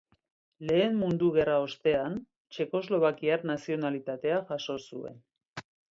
Lehen Mundu Gerra ostean txekoslovakiar nazionalitatea jaso zuen.